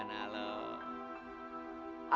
alangkah indahnya hidup kita